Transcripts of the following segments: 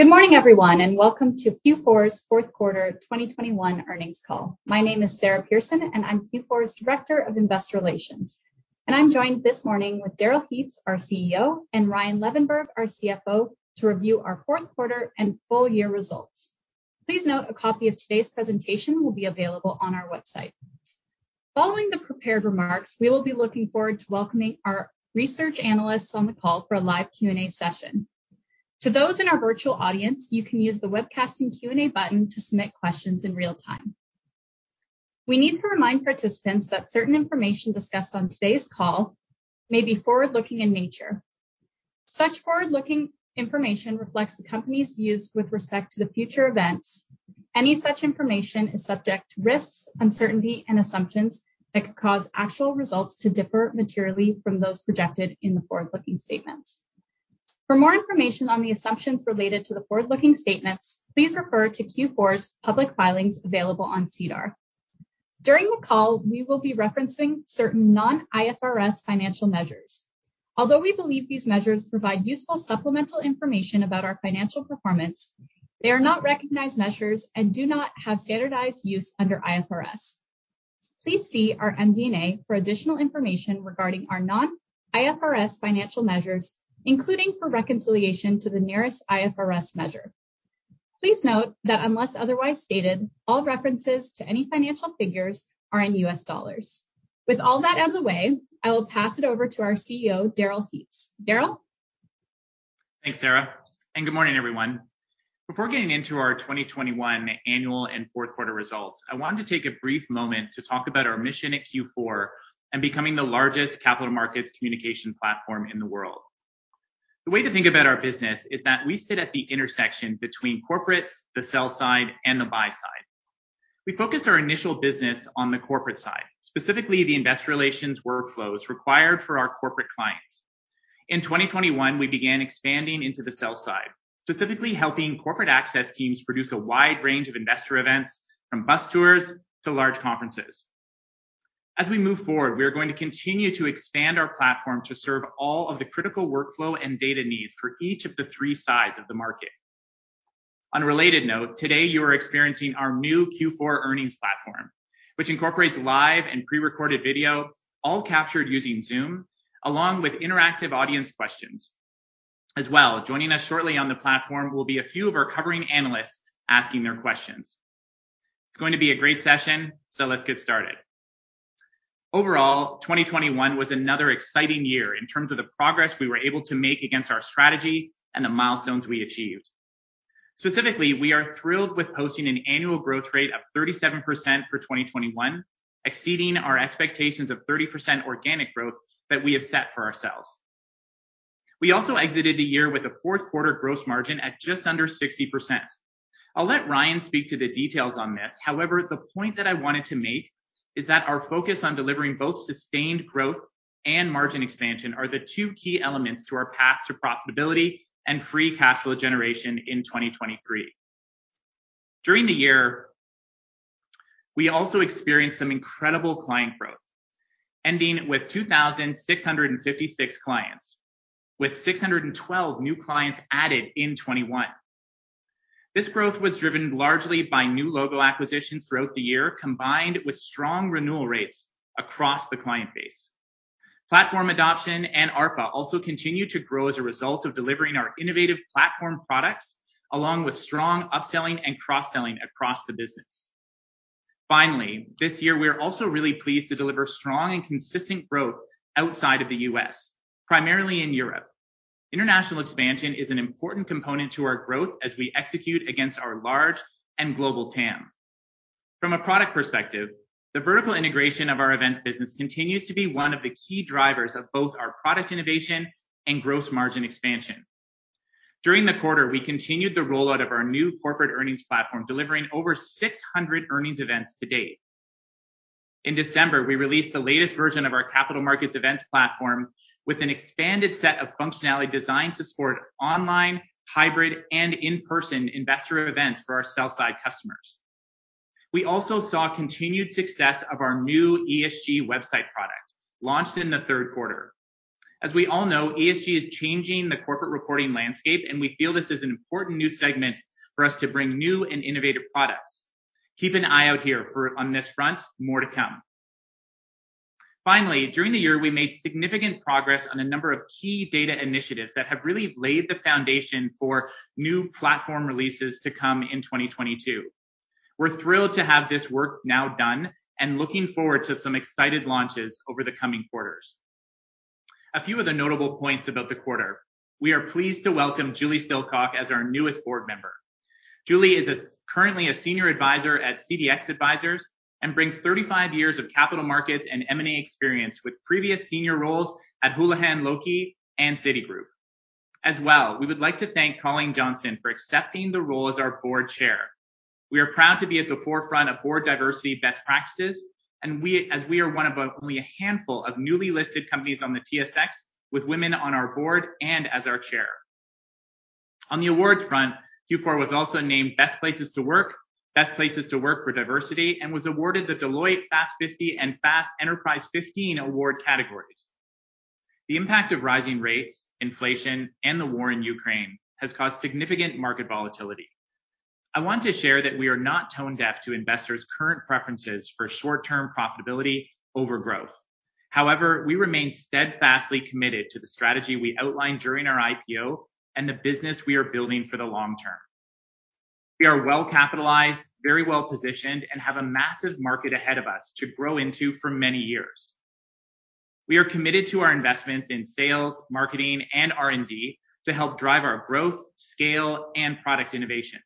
Good morning, everyone, and welcome to Q4's fourth quarter, 2021 earnings call. My name is Sara Pearson, and I'm Q4's Director of Investor Relations. I'm joined this morning with Darrell Heaps, our CEO, and Ryan Levenberg, our CFO, to review our fourth quarter and full year results. Please note a copy of today's presentation will be available on our website. Following the prepared remarks, we will be looking forward to welcoming our research analysts on the call for a live Q&A session. To those in our virtual audience, you can use the webcasting Q&A button to submit questions in real time. We need to remind participants that certain information discussed on today's call may be forward-looking in nature. Such forward-looking information reflects the company's views with respect to the future events. Any such information is subject to risks, uncertainty, and assumptions that could cause actual results to differ materially from those projected in the forward-looking statements. For more information on the assumptions related to the forward-looking statements, please refer to Q4's public filings available on SEDAR. During the call, we will be referencing certain non-IFRS financial measures. Although we believe these measures provide useful supplemental information about our financial performance, they are not recognized measures and do not have standardized use under IFRS. Please see our MD&A for additional information regarding our non-IFRS financial measures, including for reconciliation to the nearest IFRS measure. Please note that unless otherwise stated, all references to any financial figures are in U.S. dollars. With all that out of the way, I will pass it over to our CEO, Darrell Heaps. Darrell? Thanks, Sara, and good morning, everyone. Before getting into our 2021 annual and fourth quarter results, I wanted to take a brief moment to talk about our mission at Q4 and becoming the largest capital markets communication platform in the world. The way to think about our business is that we sit at the intersection between corporates, the sell side, and the buy side. We focused our initial business on the corporate side, specifically the investor relations workflows required for our corporate clients. In 2021, we began expanding into the sell side, specifically helping corporate access teams produce a wide range of investor events from bus tours to large conferences. As we move forward, we are going to continue to expand our platform to serve all of the critical workflow and data needs for each of the three sides of the market. On a related note, today, you are experiencing our new Q4 earnings platform, which incorporates live and prerecorded video, all captured using Zoom, along with interactive audience questions. As well, joining us shortly on the platform will be a few of our covering analysts asking their questions. It's going to be a great session, so let's get started. Overall, 2021 was another exciting year in terms of the progress we were able to make against our strategy and the milestones we achieved. Specifically, we are thrilled with posting an annual growth rate of 37% for 2021, exceeding our expectations of 30% organic growth that we have set for ourselves. We also exited the year with a fourth quarter gross margin at just under 60%. I'll let Ryan speak to the details on this. However, the point that I wanted to make is that our focus on delivering both sustained growth and margin expansion are the two key elements to our path to profitability and free cash flow generation in 2023. During the year, we also experienced some incredible client growth, ending with 2,656 clients, with 612 new clients added in 2021. This growth was driven largely by new logo acquisitions throughout the year, combined with strong renewal rates across the client base. Platform adoption and ARPA also continued to grow as a result of delivering our innovative platform products, along with strong upselling and cross-selling across the business. Finally, this year, we are also really pleased to deliver strong and consistent growth outside of the U.S., primarily in Europe. International expansion is an important component to our growth as we execute against our large and global TAM. From a product perspective, the vertical integration of our events business continues to be one of the key drivers of both our product innovation and gross margin expansion. During the quarter, we continued the rollout of our new corporate earnings platform, delivering over 600 earnings events to date. In December, we released the latest version of our capital markets events platform with an expanded set of functionality designed to support online, hybrid, and in-person investor events for our sell side customers. We also saw continued success of our new ESG website product launched in the third quarter. As we all know, ESG is changing the corporate reporting landscape, and we feel this is an important new segment for us to bring new and innovative products. Keep an eye out here on this front. More to come. Finally, during the year, we made significant progress on a number of key data initiatives that have really laid the foundation for new platform releases to come in 2022. We're thrilled to have this work now done and looking forward to some exciting launches over the coming quarters. A few of the notable points about the quarter. We are pleased to welcome Julie Silcock as our newest Board Member. Julie is currently a senior advisor at CDX Advisors and brings 35 years of capital markets and M&A experience with previous senior roles at Houlihan Lokey and Citigroup. As well, we would like to thank Colleen Johnston for accepting the role as our Board Chair. We are proud to be at the forefront of board diversity best practices, and we are one of only a handful of newly listed companies on the TSX with women on our board and as our chair. On the awards front, Q4 was also named Best Places to Work, Best Places to Work for Diversity, and was awarded the Deloitte Technology Fast 50 and Enterprise Fast 15 award categories. The impact of rising rates, inflation, and the war in Ukraine has caused significant market volatility. I want to share that we are not tone deaf to investors' current preferences for short-term profitability over growth. However, we remain steadfastly committed to the strategy we outlined during our IPO and the business we are building for the long term. We are well-capitalized, very well-positioned, and have a massive market ahead of us to grow into for many years. We are committed to our investments in sales, marketing, and R&D to help drive our growth, scale, and product innovation.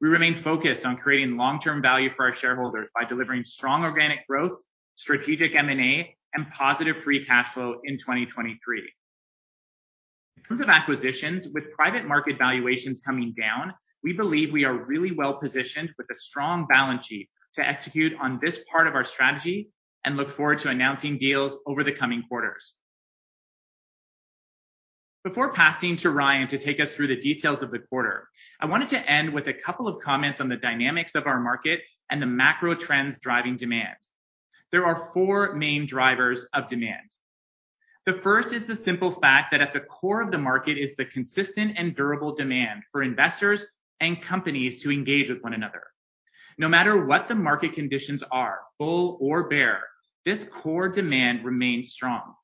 We remain focused on creating long-term value for our shareholders by delivering strong organic growth, strategic M&A, and positive free cash flow in 2023. In terms of acquisitions, with private market valuations coming down, we believe we are really well-positioned with a strong balance sheet to execute on this part of our strategy and look forward to announcing deals over the coming quarters. Before passing to Ryan to take us through the details of the quarter, I wanted to end with a couple of comments on the dynamics of our market and the macro trends driving demand. There are four main drivers of demand. The first is the simple fact that at the core of the market is the consistent and durable demand for investors and companies to engage with one another. No matter what the market conditions are, bull or bear, this core demand remains strong.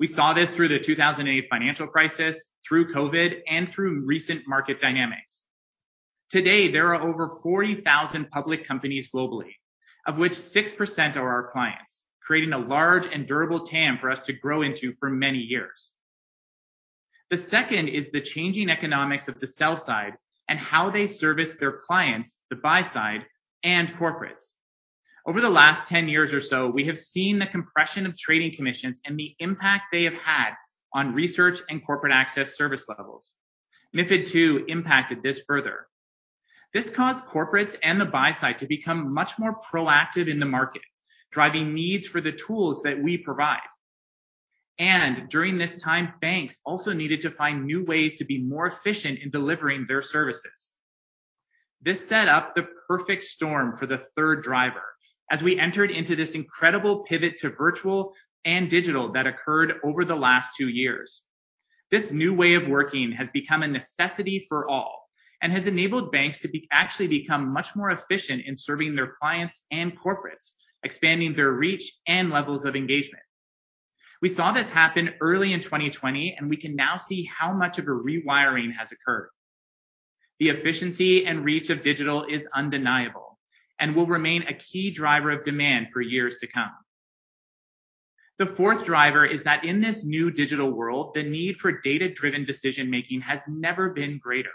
We saw this through the 2008 financial crisis, through COVID, and through recent market dynamics. Today, there are over 40,000 public companies globally, of which 6% are our clients, creating a large and durable TAM for us to grow into for many years. The second is the changing economics of the sell side and how they service their clients, the buy side, and corporates. Over the last 10 years or so, we have seen the compression of trading commissions and the impact they have had on research and corporate access service levels. MiFID II impacted this further. This caused corporates and the buy side to become much more proactive in the market, driving needs for the tools that we provide. During this time, banks also needed to find new ways to be more efficient in delivering their services. This set up the perfect storm for the third driver as we entered into this incredible pivot to virtual and digital that occurred over the last two years. This new way of working has become a necessity for all and has enabled banks to actually become much more efficient in serving their clients and corporates, expanding their reach and levels of engagement. We saw this happen early in 2020, and we can now see how much of a rewiring has occurred. The efficiency and reach of digital is undeniable and will remain a key driver of demand for years to come. The fourth driver is that in this new digital world, the need for data-driven decision-making has never been greater.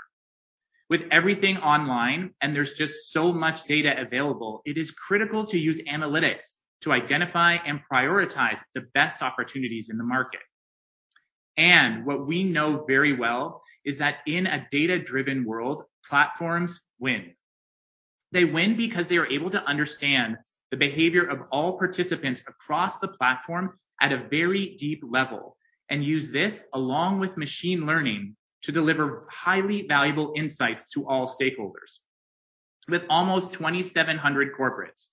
With everything online, and there's just so much data available, it is critical to use analytics to identify and prioritize the best opportunities in the market. What we know very well is that in a data-driven world, platforms win. They win because they are able to understand the behavior of all participants across the platform at a very deep level and use this along with machine learning to deliver highly valuable insights to all stakeholders. With almost 2,700 corporates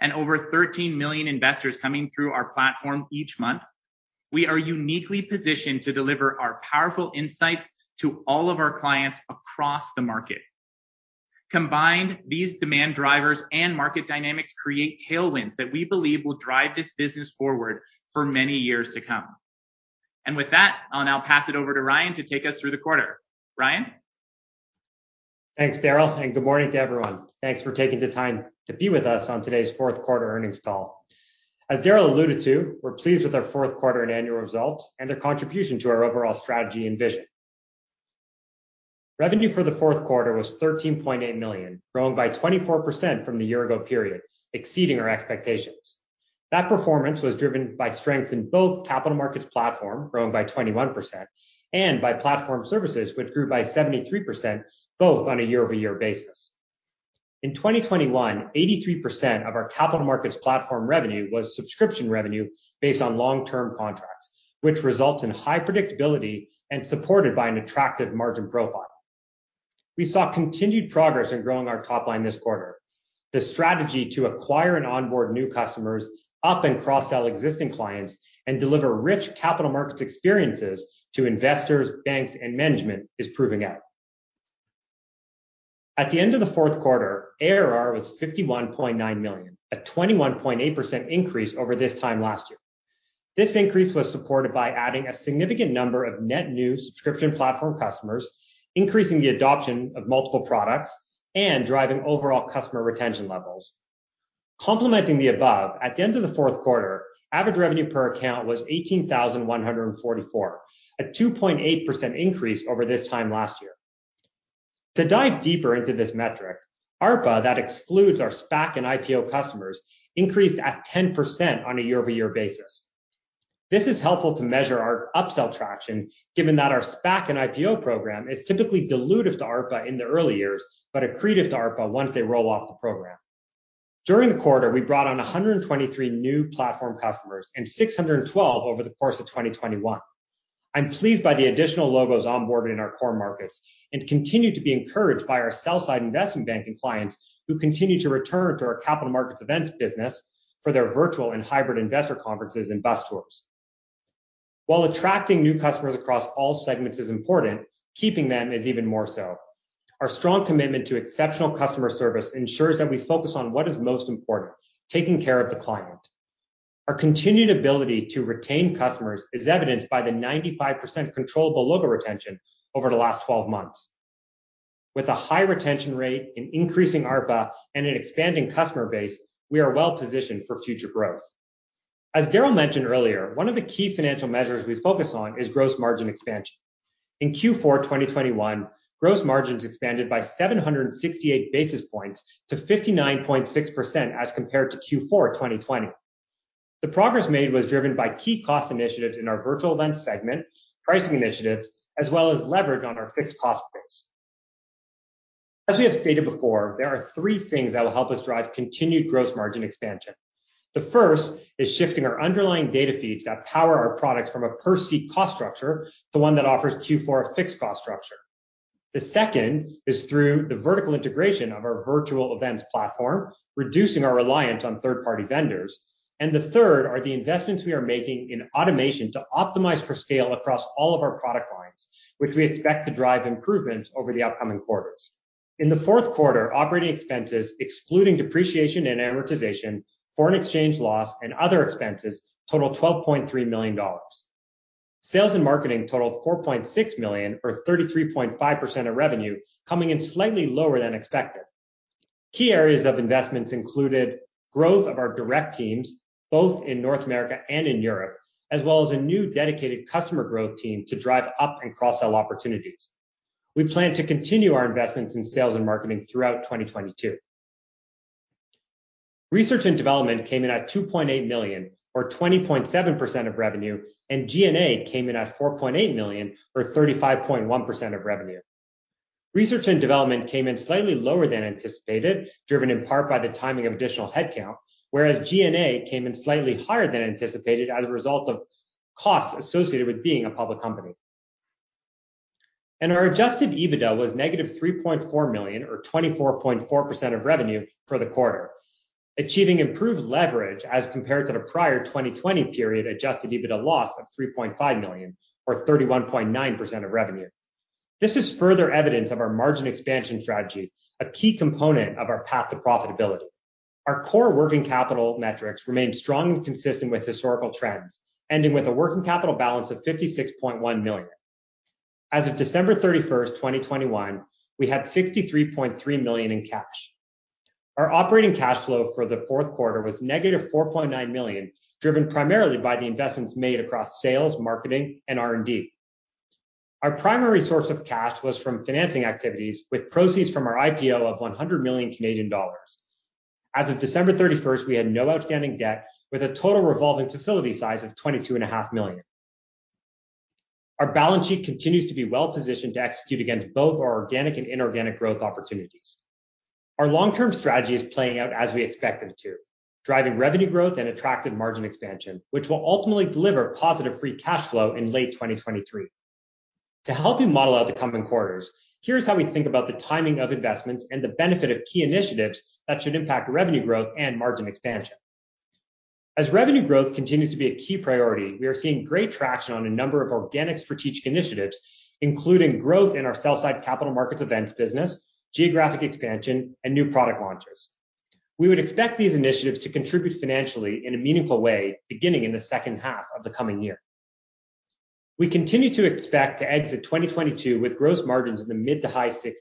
and over 13 million investors coming through our platform each month, we are uniquely positioned to deliver our powerful insights to all of our clients across the market. Combined, these demand drivers and market dynamics create tailwinds that we believe will drive this business forward for many years to come. With that, I'll now pass it over to Ryan to take us through the quarter. Ryan? Thanks, Darrell, and good morning to everyone. Thanks for taking the time to be with us on today's fourth-quarter earnings call. As Darrell alluded to, we're pleased with our fourth quarter and annual results and their contribution to our overall strategy and vision. Revenue for the fourth quarter was $13.8 million, growing by 24% from the year ago period, exceeding our expectations. That performance was driven by strength in both capital markets platform, growing by 21%, and by platform services, which grew by 73%, both on a year-over-year basis. In 2021, 83% of our capital markets platform revenue was subscription revenue based on long-term contracts, which results in high predictability and supported by an attractive margin profile. We saw continued progress in growing our top line this quarter. The strategy to acquire and onboard new customers, up and cross-sell existing clients, and deliver rich capital markets experiences to investors, banks, and management is proving out. At the end of the fourth quarter, ARR was $51.9 million, a 21.8% increase over this time last year. This increase was supported by adding a significant number of net new subscription platform customers, increasing the adoption of multiple products, and driving overall customer retention levels. Complementing the above, at the end of the fourth quarter, average revenue per account was $18,144, a 2.8% increase over this time last year. To dive deeper into this metric, ARPA, that excludes our SPAC and IPO customers, increased at 10% on a year-over-year basis. This is helpful to measure our upsell traction, given that our SPAC and IPO program is typically dilutive to ARPA in the early years, but accretive to ARPA once they roll off the program. During the quarter, we brought on 123 new platform customers and 612 over the course of 2021. I'm pleased by the additional logos onboarded in our core markets and continue to be encouraged by our sell-side investment banking clients who continue to return to our capital markets events business for their virtual and hybrid investor conferences and bus tours. While attracting new customers across all segments is important, keeping them is even more so. Our strong commitment to exceptional customer service ensures that we focus on what is most important, taking care of the client. Our continued ability to retain customers is evidenced by the 95% controllable logo retention over the last 12 months. With a high retention rate, an increasing ARPA, and an expanding customer base, we are well-positioned for future growth. As Darrell mentioned earlier, one of the key financial measures we focus on is gross margin expansion. In Q4 2021, gross margins expanded by 768 basis points to 59.6% as compared to Q4 2020. The progress made was driven by key cost initiatives in our virtual events segment, pricing initiatives, as well as leverage on our fixed cost base. As we have stated before, there are three things that will help us drive continued gross margin expansion. The first is shifting our underlying data feeds that power our products from a per-seat cost structure to one that offers Q4 a fixed cost structure. The second is through the vertical integration of our virtual events platform, reducing our reliance on third-party vendors. The third are the investments we are making in automation to optimize for scale across all of our product lines, which we expect to drive improvements over the upcoming quarters. In the fourth quarter, operating expenses excluding depreciation and amortization, foreign exchange loss, and other expenses totaled $12.3 million. Sales and marketing totaled 4.6 million or 33.5% of revenue, coming in slightly lower than expected. Key areas of investments included growth of our direct teams, both in North America and in Europe, as well as a new dedicated customer growth team to drive up and cross-sell opportunities. We plan to continue our investments in sales and marketing throughout 2022. Research and development came in at 2.8 million or 20.7% of revenue, and G&A came in at 4.8 million or 35.1% of revenue. Research and development came in slightly lower than anticipated, driven in part by the timing of additional headcount, whereas G&A came in slightly higher than anticipated as a result of costs associated with being a public company. Our adjusted EBITDA was -3.4 million or 24.4% of revenue for the quarter, achieving improved leverage as compared to the prior 2020 period adjusted EBITDA loss of 3.5 million or 31.9% of revenue. This is further evidence of our margin expansion strategy, a key component of our path to profitability. Our core working capital metrics remain strong and consistent with historical trends, ending with a working capital balance of 56.1 million. As of December 31, 2021, we had 63.3 million in cash. Our operating cash flow for the fourth quarter was -4.9 million, driven primarily by the investments made across sales, marketing, and R&D. Our primary source of cash was from financing activities with proceeds from our IPO of 100 million Canadian dollars. As of December 31, we had no outstanding debt with a total revolving facility size of 22.5 million. Our balance sheet continues to be well-positioned to execute against both our organic and inorganic growth opportunities. Our long-term strategy is playing out as we expect them to, driving revenue growth and attractive margin expansion, which will ultimately deliver positive free cash flow in late 2023. To help you model out the coming quarters, here's how we think about the timing of investments and the benefit of key initiatives that should impact revenue growth and margin expansion. Revenue growth continues to be a key priority. We are seeing great traction on a number of organic strategic initiatives, including growth in our sell-side capital markets events business, geographic expansion, and new product launches. We would expect these initiatives to contribute financially in a meaningful way beginning in the second half of the coming year. We continue to expect to exit 2022 with gross margins in the mid- to high 60s.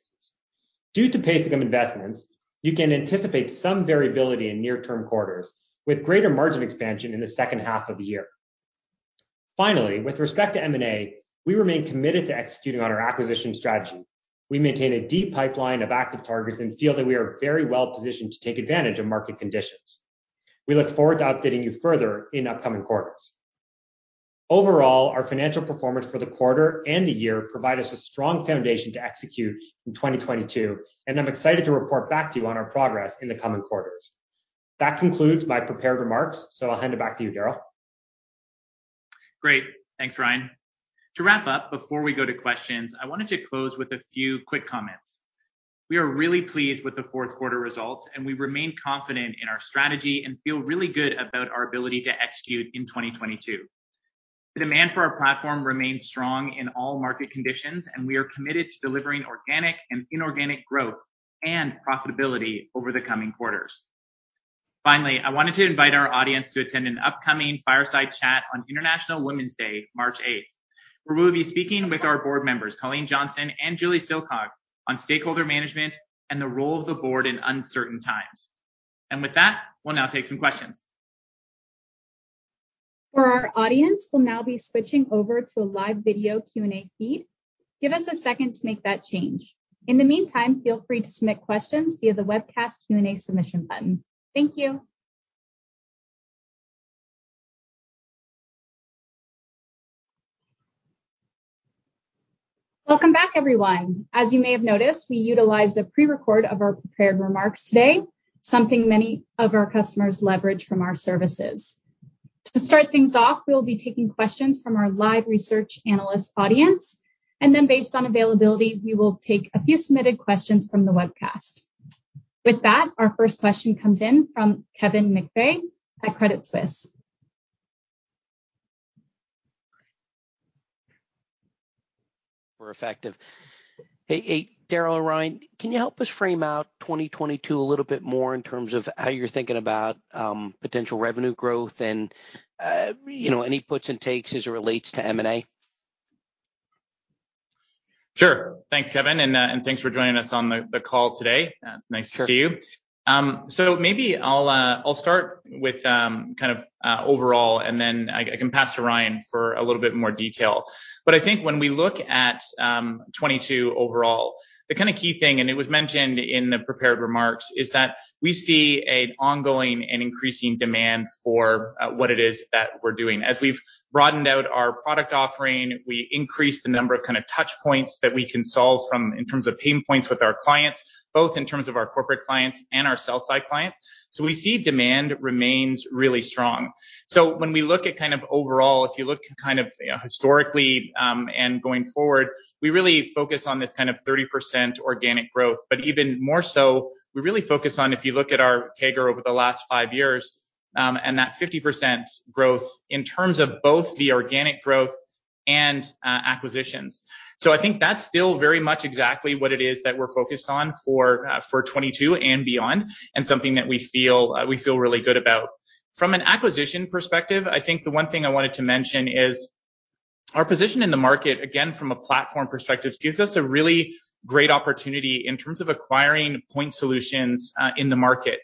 Due to pace of investments, you can anticipate some variability in near-term quarters, with greater margin expansion in the second half of the year. With respect to M&A, we remain committed to executing on our acquisition strategy. We maintain a deep pipeline of active targets and feel that we are very well-positioned to take advantage of market conditions. We look forward to updating you further in upcoming quarters. Overall, our financial performance for the quarter and the year provide us a strong foundation to execute in 2022, and I'm excited to report back to you on our progress in the coming quarters. That concludes my prepared remarks, so I'll hand it back to you, Darrell. Great. Thanks, Ryan. To wrap up before we go to questions, I wanted to close with a few quick comments. We are really pleased with the fourth quarter results, and we remain confident in our strategy and feel really good about our ability to execute in 2022. The demand for our platform remains strong in all market conditions, and we are committed to delivering organic and inorganic growth and profitability over the coming quarters. Finally, I wanted to invite our audience to attend an upcoming fireside chat on International Women's Day, March eighth. We will be speaking with our board members, Colleen Johnston and Julie Silcock, on stakeholder management and the role of the board in uncertain times. With that, we'll now take some questions. For our audience, we'll now be switching over to a live video Q&A feed. Give us a second to make that change. In the meantime, feel free to submit questions via the webcast Q&A submission button. Thank you. Welcome back, everyone. As you may have noticed, we utilized a pre-record of our prepared remarks today, something many of our customers leverage from our services. To start things off, we'll be taking questions from our live research analyst audience, and then based on availability, we will take a few submitted questions from the webcast. With that, our first question comes in from Kevin McVeigh at Credit Suisse. Darrell and Ryan, can you help us frame out 2022 a little bit more in terms of how you're thinking about potential revenue growth and you know, any puts and takes as it relates to M&A? Sure. Thanks, Kevin, and thanks for joining us on the call today. It's nice to see you. Sure. Maybe I'll start with kind of overall, and then I can pass to Ryan for a little bit more detail. I think when we look at 2022 overall, the kind of key thing, and it was mentioned in the prepared remarks, is that we see an ongoing and increasing demand for what it is that we're doing. As we've broadened out our product offering, we increased the number of kind of touch points that we can solve from in terms of pain points with our clients, both in terms of our corporate clients and our sell-side clients. We see demand remains really strong. When we look at kind of overall, if you look kind of historically, and going forward, we really focus on this kind of 30% organic growth. Even more so, we really focus on if you look at our CAGR over the last five years, and that 50% growth in terms of both the organic growth and acquisitions. I think that's still very much exactly what it is that we're focused on for 2022 and beyond, and something that we feel really good about. From an acquisition perspective, I think the one thing I wanted to mention is our position in the market, again, from a platform perspective, gives us a really great opportunity in terms of acquiring point solutions in the market.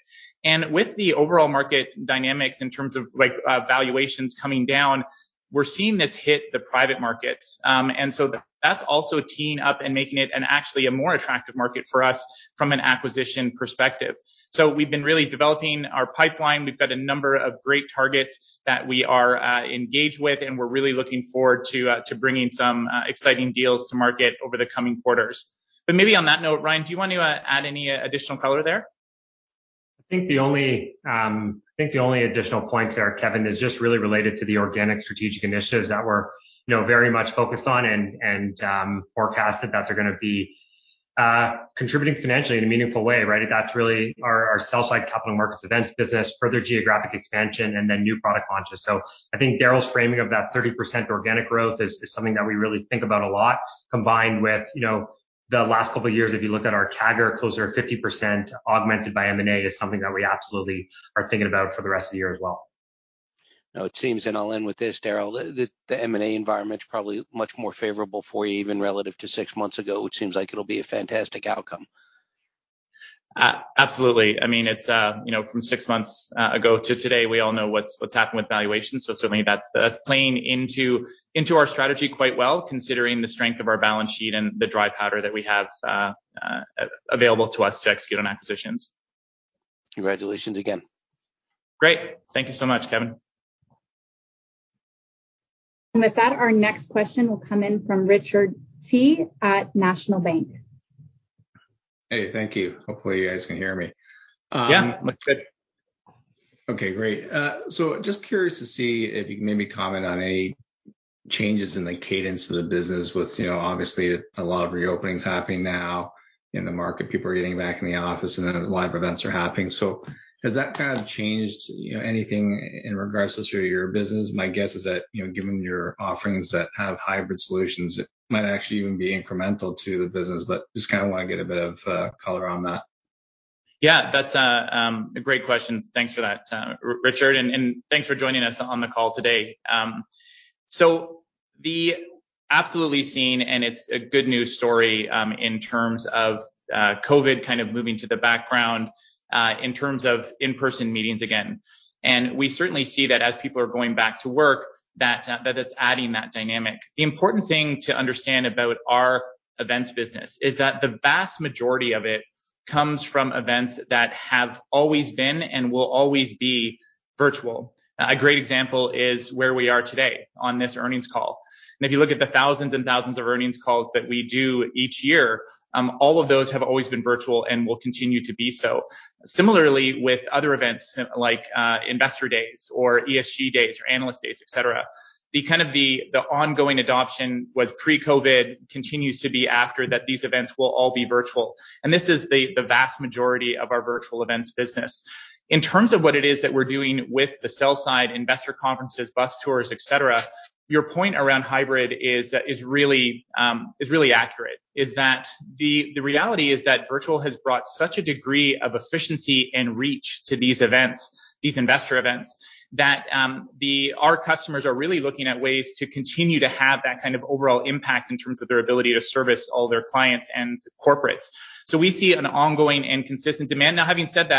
With the overall market dynamics in terms of, like, valuations coming down, we're seeing this hit the private markets. That's also teeing up and making it an actually a more attractive market for us from an acquisition perspective. We've been really developing our pipeline. We've got a number of great targets that we are engaged with, and we're really looking forward to bringing some exciting deals to market over the coming quarters. Maybe on that note, Ryan, do you want to add any additional color there? I think the only additional point there, Kevin, is just really related to the organic strategic initiatives that we're, you know, very much focused on and forecasted that they're gonna be contributing financially in a meaningful way, right? That's really our sell-side capital markets events business, further geographic expansion, and then new product launches. I think Darrell's framing of that 30% organic growth is something that we really think about a lot, combined with, you know, the last couple of years, if you look at our CAGR, closer to 50% augmented by M&A is something that we absolutely are thinking about for the rest of the year as well. No, it seems, and I'll end with this, Darrell, the M&A environment's probably much more favorable for you even relative to six months ago. It seems like it'll be a fantastic outcome. Absolutely. I mean, it's, you know, from six months ago to today, we all know what's happened with valuations. Certainly that's playing into our strategy quite well, considering the strength of our balance sheet and the dry powder that we have available to us to execute on acquisitions. Congratulations again. Great. Thank you so much, Kevin. With that, our next question will come in from Richard Tse at National Bank. Hey, thank you. Hopefully, you guys can hear me. Looks good. Okay, great. Just curious to see if you can maybe comment on any changes in the cadence of the business with, you know, obviously a lot of reopenings happening now in the market. People are getting back in the office, and then live events are happening. Has that kind of changed, you know, anything in regards to your business? My guess is that, you know, given your offerings that have hybrid solutions, it might actually even be incremental to the business, but just kinda wanna get a bit of color on that. That's a great question. Thanks for that, Richard, and thanks for joining us on the call today. So we've absolutely seen, and it's a good news story in terms of COVID kind of moving to the background in terms of in-person meetings again. We certainly see that as people are going back to work, that it's adding that dynamic. The important thing to understand about our events business is that the vast majority of it comes from events that have always been and will always be virtual. A great example is where we are today on this earnings call. If you look at the thousands and thousands of earnings calls that we do each year, all of those have always been virtual and will continue to be so. Similarly with other events like investor days or ESG days or analyst days, et cetera. The kind of ongoing adoption was pre-COVID continues to be after that these events will all be virtual. This is the vast majority of our virtual events business. In terms of what it is that we're doing with the sell-side investor conferences, bus tours, et cetera, your point around hybrid is really accurate. That's the reality is that virtual has brought such a degree of efficiency and reach to these events, these investor events, that our customers are really looking at ways to continue to have that kind of overall impact in terms of their ability to service all their clients and corporates. We see an ongoing and consistent demand. Now, having said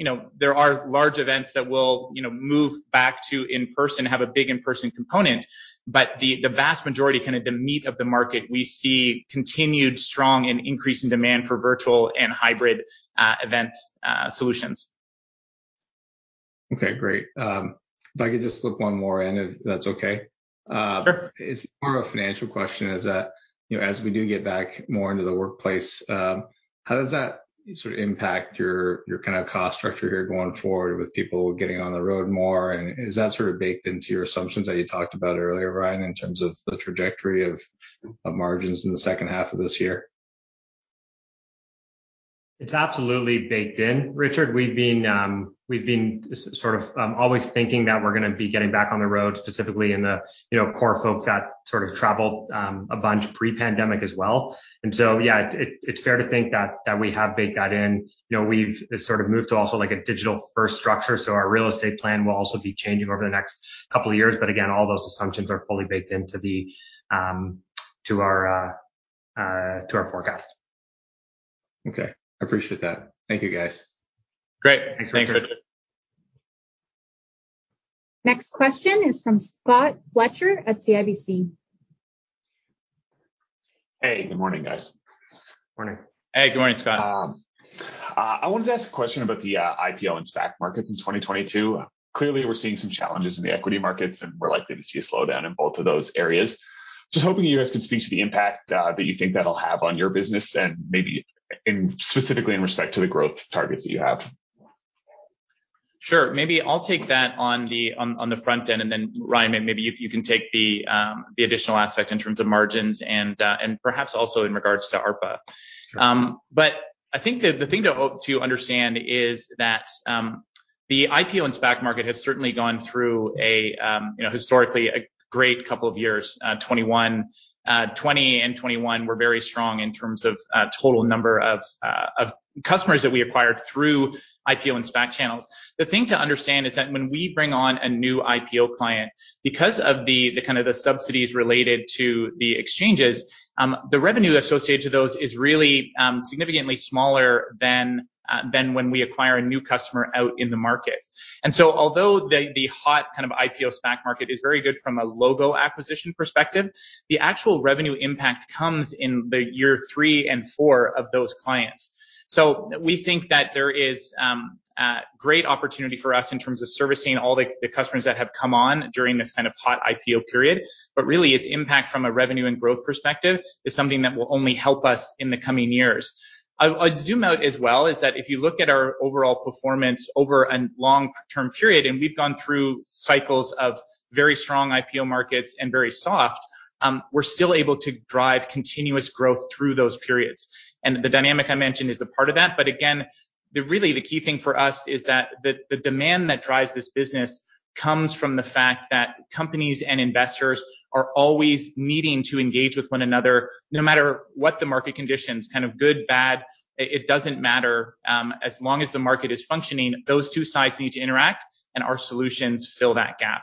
that, you know, there are large events that will, you know, move back to in-person, have a big in-person component. The vast majority, kinda the meat of the market, we see continued strong and increasing demand for virtual and hybrid event solutions. Okay, great. If I could just slip one more in if that's okay? Sure. It's more of a financial question, that you know, as we do get back more into the workplace, how does that sort of impact your kind of cost structure here going forward with people getting on the road more? Is that sort of baked into your assumptions that you talked about earlier, Ryan, in terms of the trajectory of margins in the second half of this year? It's absolutely baked in, Richard. We've been sort of always thinking that we're gonna be getting back on the road, specifically in the, you know, core folks that sort of traveled a bunch pre-pandemic as well, it's fair to think that we have baked that in. You know, we've sort of moved to also like a digital first structure, so our real estate plan will also be changing over the next couple of years. Again, all those assumptions are fully baked into our forecast. Okay. I appreciate that. Thank you, guys. Great. Thanks, Richard. Next question is from Scott Fletcher at CIBC. Hey, good morning, guys. Morning. Good morning, Scott. I wanted to ask a question about the IPO and SPAC markets in 2022. Clearly, we're seeing some challenges in the equity markets, and we're likely to see a slowdown in both of those areas. Just hoping you guys could speak to the impact that you think that'll have on your business and maybe specifically in respect to the growth targets that you have. Sure. Maybe I'll take that on the front end, and then Ryan maybe you can take the additional aspect in terms of margins and perhaps also in regards to ARPA. But I think the thing to understand is that the IPO and SPAC market has certainly gone through you know historically a great couple of years. 2020 and 2021 were very strong in terms of total number of customers that we acquired through IPO and SPAC channels. The thing to understand is that when we bring on a new IPO client, because of the kind of subsidies related to the exchanges, the revenue associated to those is really significantly smaller than when we acquire a new customer out in the market. Although the hot kind of IPO SPAC market is very good from a logo acquisition perspective, the actual revenue impact comes in the year 3 and 4 of those clients. We think that there is a great opportunity for us in terms of servicing all the customers that have come on during this kind of hot IPO period. Really, its impact from a revenue and growth perspective is something that will only help us in the coming years. I'd zoom out as well and say that if you look at our overall performance over a long-term period, we've gone through cycles of very strong IPO markets and very soft, we're still able to drive continuous growth through those periods. The dynamic I mentioned is a part of that again, really, the key thing for us is that the demand that drives this business comes from the fact that companies and investors are always needing to engage with one another, no matter what the market conditions, kind of good, bad, it doesn't matter. As long as the market is functioning, those two sides need to interact, and our solutions fill that gap.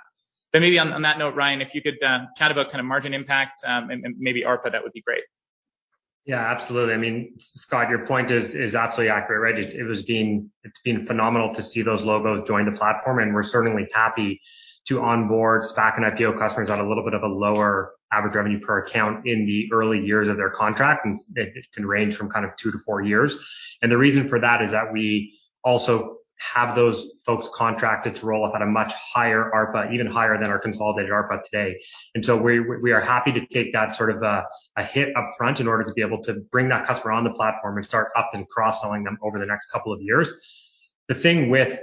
Maybe on that note, Ryan, if you could chat about kind of margin impact, and maybe ARPA, that would be great. Absolutely. I mean, Scott, your point is absolutely accurate, right? It's been phenomenal to see those logos join the platform, and we're certainly happy to onboard SPAC and IPO customers on a little bit of a lower average revenue per account in the early years of their contract. It can range from kind of 2-4 years. The reason for that is that we also have those folks contracted to roll up at a much higher ARPA, even higher than our consolidated ARPA today. We are happy to take that sort of a hit up front in order to be able to bring that customer on the platform and start up and cross-selling them over the next couple of years. The thing with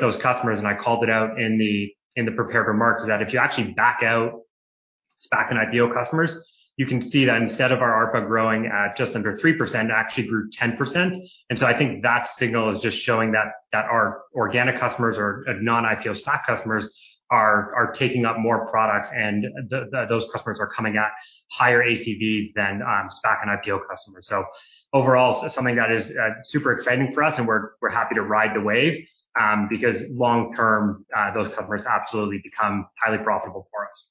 those customers, and I called it out in the prepared remarks, is that if you actually back out SPAC and IPO customers, you can see that instead of our ARPA growing at just under 3%, it actually grew 10%. I think that signal is just showing that our organic customers or non-IPO SPAC customers are taking up more products, and those customers are coming at higher ACVs than SPAC and IPO customers. Overall, something that is super exciting for us, and we're happy to ride the wave, because long term, those customers absolutely become highly profitable for us.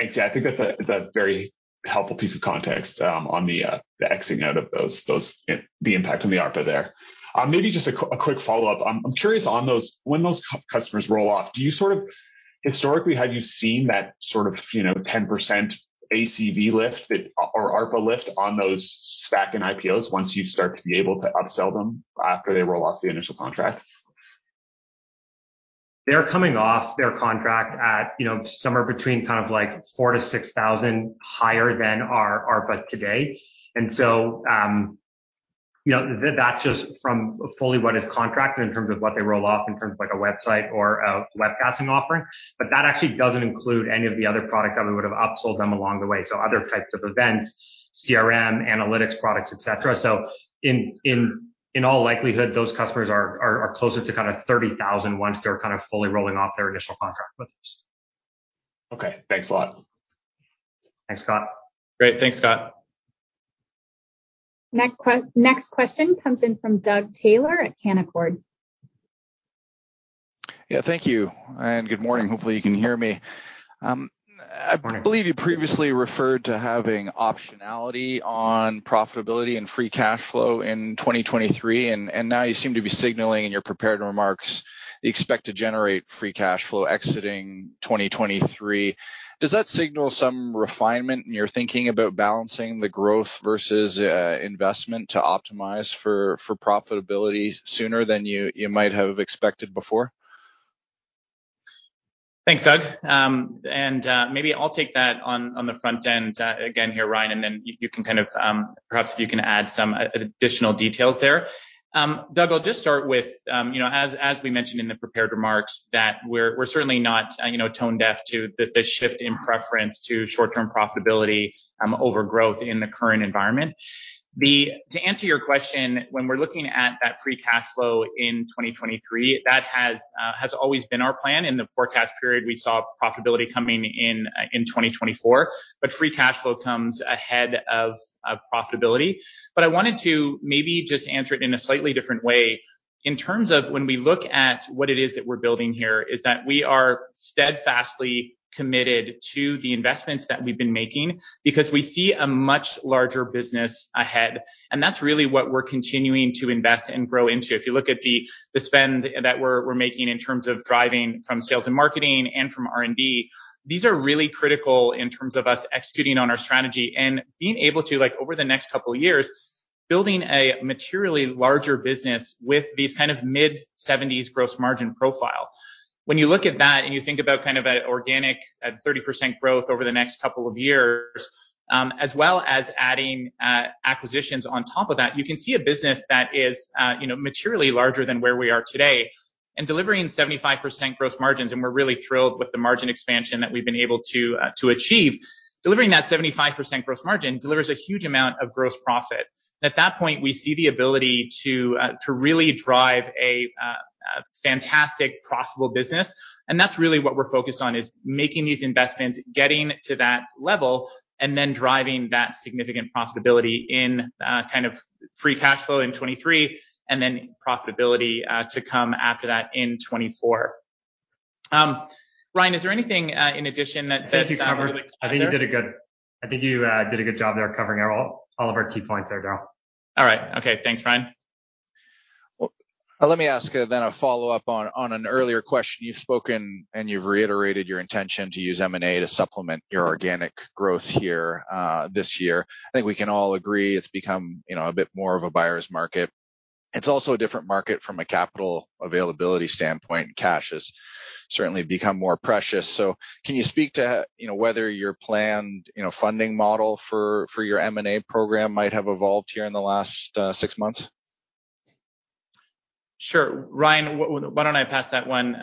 Thanks. I think that's a very helpful piece of context on the exiting out of those, the impact on the ARPA there. Maybe just a quick follow-up. I'm curious on those, when those customers roll off, historically, have you seen that sort of, you know, 10% ACV lift or ARPA lift on those SPAC and IPOs once you start to be able to upsell them after they roll off the initial contract? They're coming off their contract at, you know, somewhere between kind of like $4,000-$6,000 higher than our ARPA today. You know, that's just from fully what is contracted in terms of what they roll off in terms of like a website or a webcasting offering. That actually doesn't include any of the other product that we would have upsold them along the way, other types of events, CRM, analytics products, et cetera. In all likelihood, those customers are closer to kind of 30,000 once they're kind of fully rolling off their initial contract with us. Okay. Thanks a lot. Thanks, Scott. Great. Thanks, Scott. Next question comes in from Doug Taylor at Canaccord Genuity. Thank you, and good morning. Hopefully, you can hear me. I believe you previously referred to having optionality on profitability and free cash flow in 2023, and now you seem to be signaling in your prepared remarks. You expect to generate free cash flow exiting 2023. Does that signal some refinement in your thinking about balancing the growth versus investment to optimize for profitability sooner than you might have expected before? Thanks, Doug. Maybe I'll take that on the front end, again here, Ryan, and then you can kind of perhaps if you can add some additional details there. Doug, I'll just start with, you know, as we mentioned in the prepared remarks that we're certainly not, you know, tone deaf to the shift in preference to short-term profitability, over growth in the current environment. To answer your question, when we're looking at that free cash flow in 2023, that has always been our plan. In the forecast period, we saw profitability coming in 2024, but free cash flow comes ahead of profitability. I wanted to maybe just answer it in a slightly different way. In terms of when we look at what it is that we're building here is that we are steadfastly committed to the investments that we've been making because we see a much larger business ahead, and that's really what we're continuing to invest and grow into. If you look at the spend that we're making in terms of driving from sales and marketing and from R&D, these are really critical in terms of us executing on our strategy and being able to, like, over the next couple of years, building a materially larger business with these kind of mid-70s gross margin profile. When you look at that and you think about kind of organic 30% growth over the next couple of years, as well as adding acquisitions on top of that, you can see a business that is, you know, materially larger than where we are today and delivering 75% gross margins, and we're really thrilled with the margin expansion that we've been able to achieve. Delivering that 75% gross margin delivers a huge amount of gross profit. At that point, we see the ability to really drive a fantastic, profitable business, and that's really what we're focused on is making these investments, getting to that level, and then driving that significant profitability in kind of free cash flow in 2023 and then profitability to come after that in 2024. Ryan, is there anything in addition that I think you covered it. I think you did a good job there covering all of our key points there, Darrell. All right. Okay. Thanks, Ryan. Well, let me ask, then a follow-up on an earlier question. You've spoken and you've reiterated your intention to use M&A to supplement your organic growth here, this year. I think we can all agree it's become, you know, a bit more of a buyer's market. It's also a different market from a capital availability standpoint. Cash has certainly become more precious. Can you speak to, you know, whether your planned, you know, funding model for your M&A program might have evolved here in the last six months? Sure. Ryan, why don't I pass that one.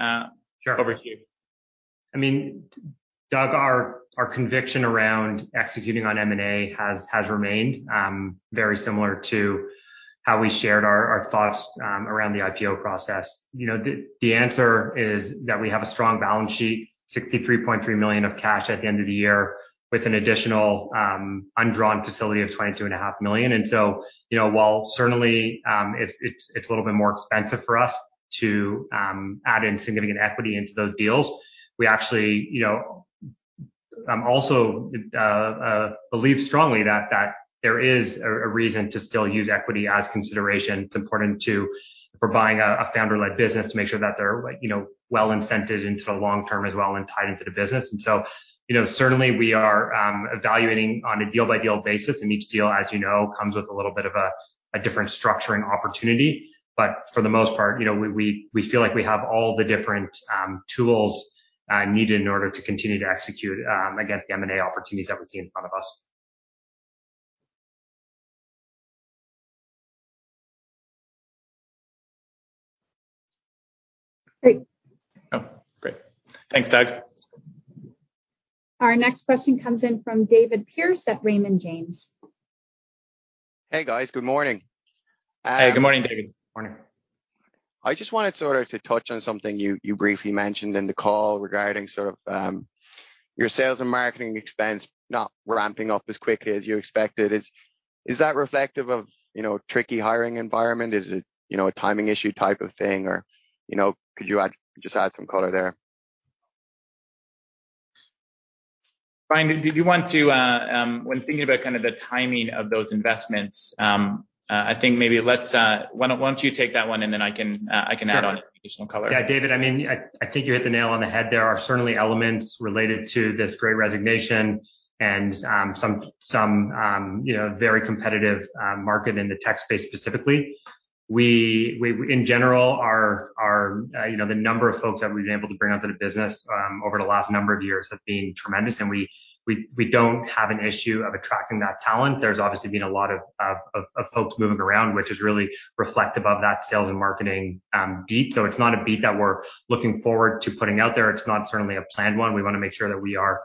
Sure. Over to you? I mean, Doug, our conviction around executing on M&A has remained very similar to how we shared our thoughts around the IPO process. You know, the answer is that we have a strong balance sheet, 63.3 million of cash at the end of the year, with an additional undrawn facility of 22.5 million. You know, while certainly it's a little bit more expensive for us to add in significant equity into those deals, we actually, you know, also believe strongly that there is a reason to still use equity as consideration. It's important for buying a founder-like business to make sure that they're, like, you know, well-incented into the long term as well and tied into the business. You know, certainly we are evaluating on a deal-by-deal basis, and each deal, as you know, comes with a little bit of a different structuring opportunity. But for the most part, you know, we feel like we have all the different tools needed in order to continue to execute against the M&A opportunities that we see in front of us. Great. Oh, great. Thanks, Doug. Our next question comes in from David Pierce at Raymond James. Hey, guys. Good morning. Hey, good morning, David. Morning. I just wanted sort of to touch on something you briefly mentioned in the call regarding sort of your sales and marketing expense not ramping up as quickly as you expected. Is that reflective of, you know, tricky hiring environment? Is it, you know, a timing issue type of thing? Or, you know, could you just add some color there? Ryan don't you want to give a kind of a timing on those investments? I think, why don't you take that one, and then I can add on. Sure. additional color. David, I mean, I think you hit the nail on the head. There are certainly elements related to this great resignation and some, you know, very competitive market in the tech space specifically. We in general are, you know, the number of folks that we've been able to bring onto the business over the last number of years have been tremendous, and we don't have an issue of attracting that talent. There's obviously been a lot of folks moving around, which is really reflective of that sales and marketing beat. So it's not a beat that we're looking forward to putting out there. It's not certainly a planned one. We wanna make sure that we are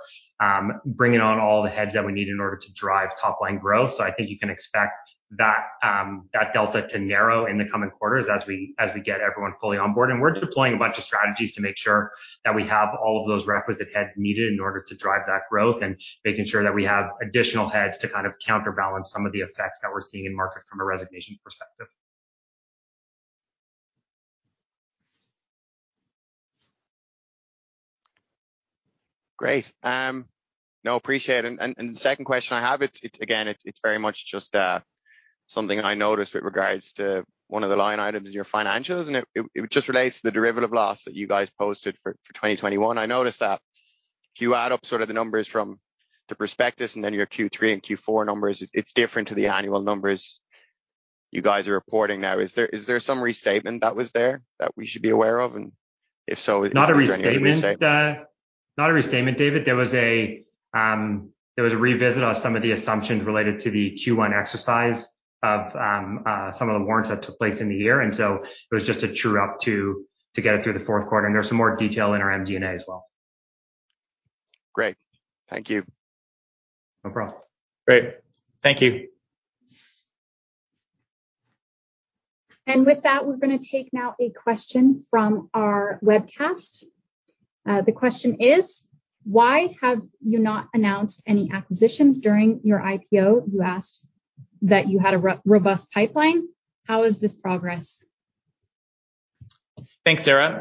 bringing on all the heads that we need in order to drive top-line growth. I think you can expect that delta to narrow in the coming quarters as we get everyone fully on board. We're deploying a bunch of strategies to make sure that we have all of those requisite heads needed in order to drive that growth and making sure that we have additional heads to kind of counterbalance some of the effects that we're seeing in market from a resignation perspective. Great. No, appreciate it. The second question I have. It's again very much just something I noticed with regards to one of the line items in your financials, and it just relates to the derivative loss that you guys posted for 2021. I noticed that if you add up sort of the numbers from the prospectus and then your Q3 and Q4 numbers, it's different to the annual numbers you guys are reporting now. Is there some restatement that was there that we should be aware of? If so, is there any restatement? Not a restatement, David. There was a revisit on some of the assumptions related to the Q1 exercise of some of the warrants that took place in the year. It was just a true up to get it through the fourth quarter, and there's some more detail in our MD&A as well. Great. Thank you. No problem. Great. Thank you. With that, we're gonna take now a question from our webcast. The question is: why have you not announced any acquisitions during your IPO? You asked that you had a robust pipeline. How is this progress? Thanks, Sara.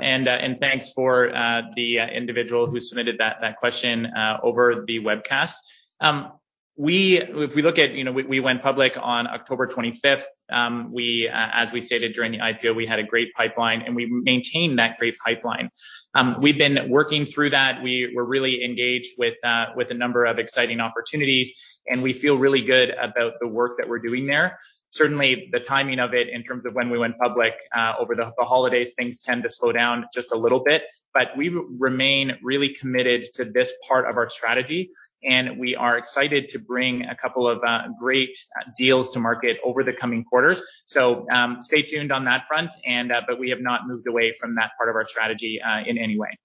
Thanks for the individual who submitted that question over the webcast. If we look at, you know, we went public on October twenty-fifth. As we stated during the IPO, we had a great pipeline, and we've maintained that great pipeline. We've been working through that. We're really engaged with a number of exciting opportunities, and we feel really good about the work that we're doing there. Certainly, the timing of it in terms of when we went public over the holidays, things tend to slow down just a little bit. We remain really committed to this part of our strategy, and we are excited to bring a couple of great deals to market over the coming quarters. Stay tuned on that front and but we have not moved away from that part of our strategy in any way.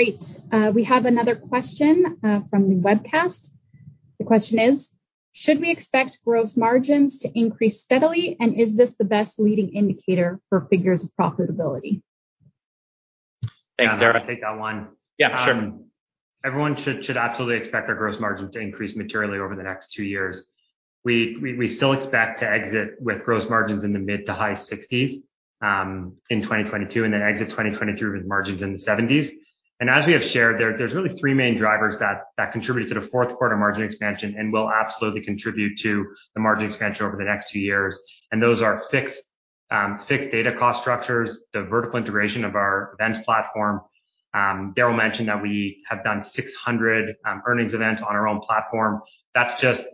Great. We have another question from the webcast. The question is: should we expect gross margins to increase steadily, and is this the best leading indicator for figures of profitability? Thanks, Sara. I'll take that one. Sure. Everyone should absolutely expect our gross margin to increase materially over the next two years. We still expect to exit with gross margins in the mid- to high-60s in 2022, and then exit 2023 with margins in the 70s. As we have shared, there's really three main drivers that contribute to the fourth quarter margin expansion and will absolutely contribute to the margin expansion over the next two years. Those are fixed data cost structures, the vertical integration of our events platform. Darrell mentioned that we have done 600 earnings events on our own platform. That's just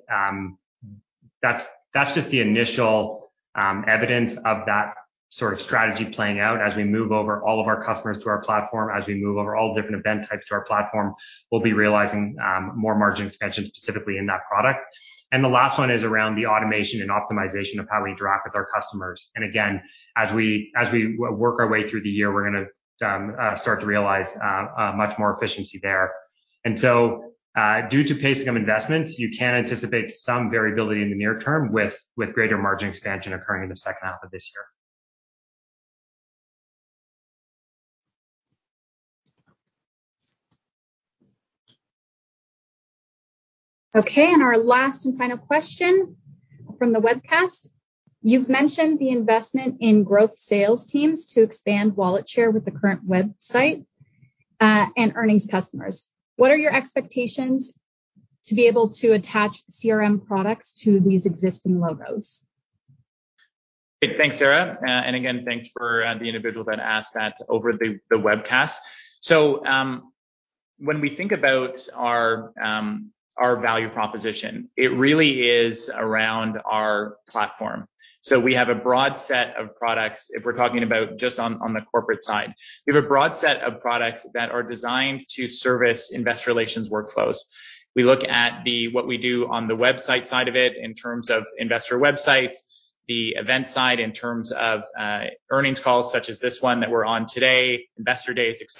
the initial evidence of that sort of strategy playing out as we move over all of our customers to our platform, as we move over all different event types to our platform, we'll be realizing more margin expansion specifically in that product. The last one is around the automation and optimization of how we interact with our customers. Again, as we work our way through the year, we're gonna start to realize much more efficiency there. Due to pacing of investments, you can anticipate some variability in the near term with greater margin expansion occurring in the second half of this year. Okay, our last and final question from the webcast. You've mentioned the investment in growth sales teams to expand wallet share with the current website, and earnings customers. What are your expectations to be able to attach CRM products to these existing logos? Thanks, Sara. And again, thanks for the individual that asked that over the webcast. When we think about our value proposition, it really is around our platform. We have a broad set of products. If we're talking about just on the corporate side, we have a broad set of products that are designed to service investor relations workflows. We look at what we do on the website side of it in terms of investor websites, the event side in terms of earnings calls such as this one that we're on today, investor days, et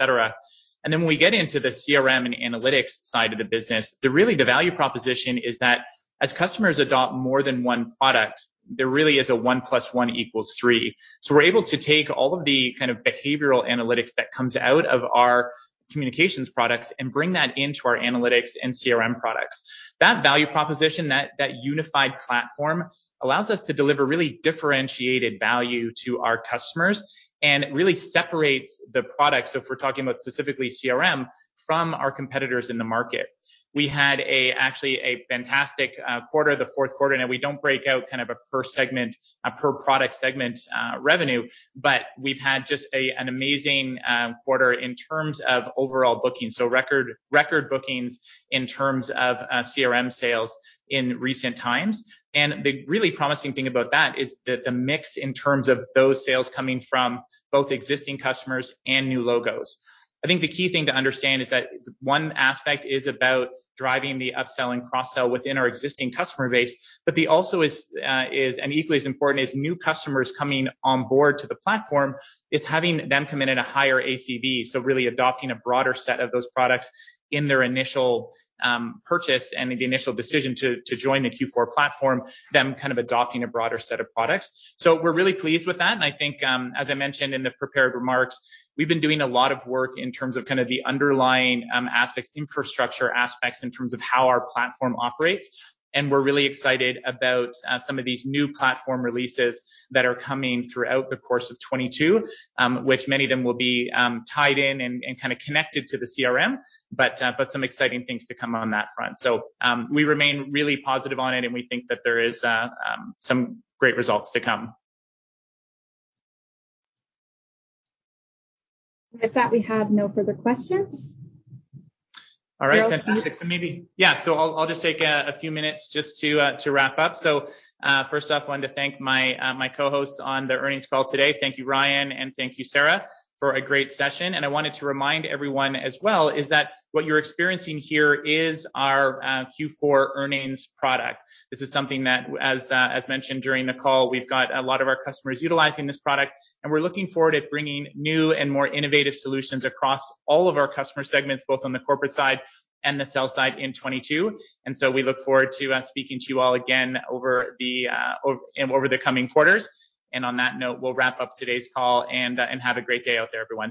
cetera. Then when we get into the CRM and analytics side of the business, the value proposition is that as customers adopt more than one product, there really is a one plus one equals three. We're able to take all of the kind of behavioral analytics that comes out of our communications products and bring that into our analytics and CRM products. That value proposition, that unified platform allows us to deliver really differentiated value to our customers and really separates the product, so if we're talking about specifically CRM from our competitors in the market. We had actually a fantastic quarter, the fourth quarter, and we don't break out kind of a per segment, a per product segment revenue, but we've had just an amazing quarter in terms of overall bookings. Record bookings in terms of CRM sales in recent times. The really promising thing about that is the mix in terms of those sales coming from both existing customers and new logos. I think the key thing to understand is that one aspect is about driving the upselling cross-sell within our existing customer base, but also, and equally as important is new customers coming on board to the platform is having them come in at a higher ACV. Really adopting a broader set of those products in their initial purchase and the initial decision to join the Q4 platform, them kind of adopting a broader set of products. We're really pleased with that, and I think, as I mentioned in the prepared remarks, we've been doing a lot of work in terms of kind of the underlying aspects, infrastructure aspects in terms of how our platform operates, and we're really excited about some of these new platform releases that are coming throughout the course of 2022, which many of them will be tied in and kinda connected to the CRM, but some exciting things to come on that front. We remain really positive on it, and we think that there is some great results to come. With that, we have no further questions. All right. Fantastic. I'll just take a few minutes to wrap up. First off, I want to thank my co-hosts on the earnings call today. Thank you, Ryan, and thank you, Sara, for a great session. I wanted to remind everyone as well, that what you're experiencing here is our Q4 earnings product. This is something that, as mentioned during the call, we've got a lot of our customers utilizing this product, and we're looking forward to bringing new and more innovative solutions across all of our customer segments, both on the corporate side and the sell side in 2022. We look forward to speaking to you all again over the coming quarters. On that note, we'll wrap up today's call and have a great day out there, everyone.